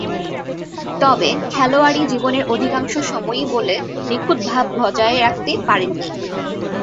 তবে, খেলোয়াড়ী জীবনের অধিকাংশ সময়ই বলে নিখুঁত ভাব বজায় রাখতে পারেননি।